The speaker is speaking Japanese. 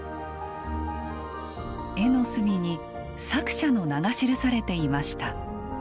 画の隅に作者の名が記されていました。